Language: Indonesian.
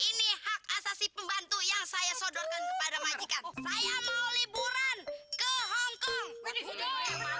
ini hak asasi pembantu yang saya sodorkan kepada majikan saya mau liburan ke hongkong